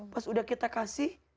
pas udah kita kasih